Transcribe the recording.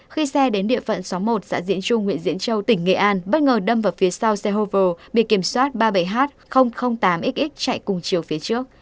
khi xe đến địa phận số một xã diễn trung nguyễn diễn châu tỉnh nghệ an bất ngờ đâm vào phía sau xe hô u bị kiểm soát ba mươi bảy h tám xx chạy cùng chiều phía trước